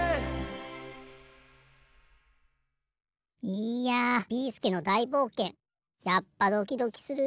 「」いやビーすけの大冒険やっぱドキドキする。